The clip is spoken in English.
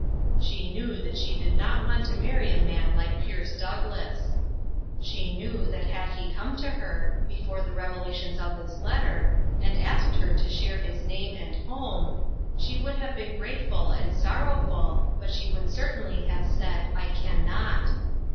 She knew that she did not want to marry a man like Pierce Douglass. She knew that had he come to her, before the revelations of this letter, and asked her to share his name and home, she would have been grateful and sorrowful, but she would certainly have said, "I can not."